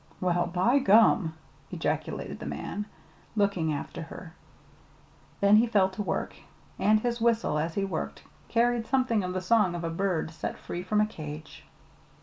"Well, by gum!" ejaculated the man, looking after her. Then he fell to work, and his whistle, as he worked, carried something of the song of a bird set free from a cage.